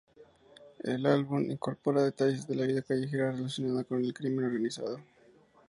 El álbum incorpora detalles de la vida callejera relacionada con el crimen organizado.